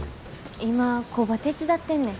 今工場手伝ってんねん。